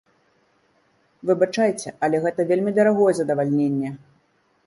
Выбачайце, але гэта вельмі дарагое задавальненне!